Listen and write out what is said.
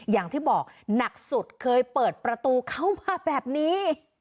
อย่างที่บอกหนักสุดเคยเปิดประตูเข้ามาแบบนี้